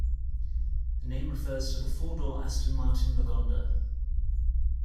The name refers to the four-door Aston Martin Lagonda.